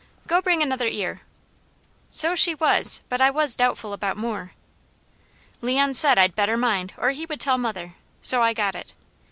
Go bring another ear!" So she was, but I was doubtful about more. Leon said I better mind or he would tell mother, so I got it.